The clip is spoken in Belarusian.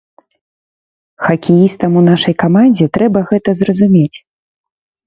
Хакеістам у нашай камандзе трэба гэта зразумець.